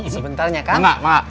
sebentar ya kang